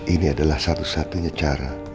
ini adalah satu satunya cara